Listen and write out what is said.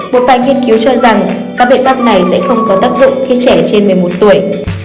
một vài nghiên cứu cho rằng các biện pháp này sẽ không có tác dụng khi trẻ trên một mươi một tuổi